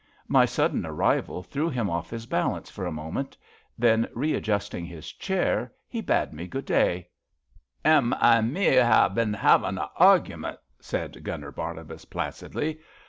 My sudden arrival threw him off his balance for a moment. Then, readjusting his chair, he bade me good day. 'Im an' me 'ave bin 'avin' an arg'ment." said Gunner Barnabas placidly.